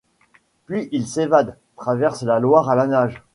Puis il s'évade, traverse la Loire à la nage.